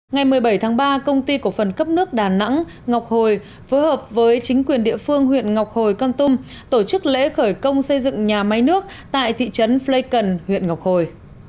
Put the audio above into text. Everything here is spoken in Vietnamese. ngày một mươi bảy tháng ba công ty cổ phần cấp nước đà nẵng ngọc hồi phối hợp với chính quyền địa phương huyện ngọc hồi con tum tổ chức lễ khởi công xây dựng nhà máy nước tại thị trấn flecon huyện ngọc hồi